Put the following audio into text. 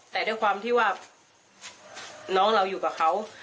แต่ด้วยความที่ว่าน้องเราอยู่กับเขา